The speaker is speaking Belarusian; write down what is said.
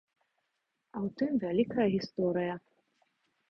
А ў тым вялікая гісторыя.